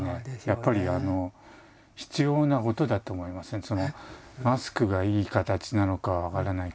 やっぱり必要なことだと思いますね。